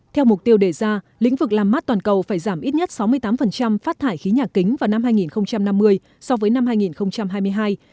theo mục tiêu đề ra lĩnh vực làm mát toàn cầu phải giảm ít nhất sáu mươi tám phát thải khí nhà kính vào năm hai nghìn năm mươi so với năm hai nghìn hai mươi hai